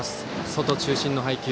外中心の配球。